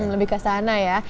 lebih ke sana ya